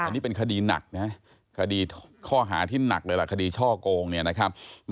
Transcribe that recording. อันนี้เป็นคดีหนักนะคดีข้อหาที่หนักเลยล่ะคดีช่อโกงเนี่ยนะครับ